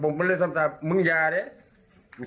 มามันจากมึงเยาะนี้